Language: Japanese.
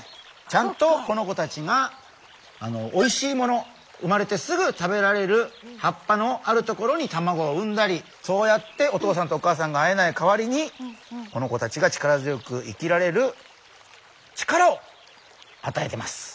ちゃんとこの子たちがおいしいもの生まれてすぐ食べられる葉っぱのある所に卵を産んだりそうやってお父さんとお母さんが会えない代わりにこの子たちが力強く生きられる力をあたえてます。